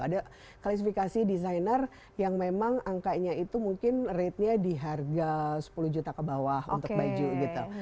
ada klasifikasi desainer yang memang angkanya itu mungkin ratenya di harga sepuluh juta ke bawah untuk baju gitu